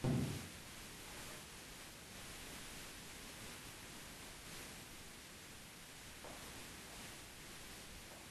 Nopenjo ng'ama ne nyalo nyise kitabuno ma ne ogo dwe achiel motelo.